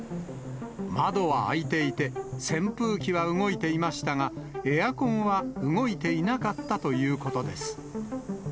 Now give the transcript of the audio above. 窓は開いていて、扇風機は動いていましたが、エアコンは動いていなかったということです。